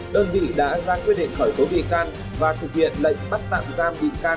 đơn vị đã ra quyết định khởi tố thị can và thực hiện lệnh bắt tạm giam thị can